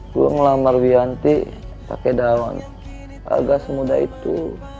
gua ngelamar bianti pake daun agak semudah itu